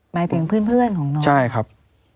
หมายถึงเพื่อนของน้องใช่ครับ